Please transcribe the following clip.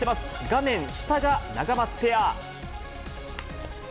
画面下がナガマツペア。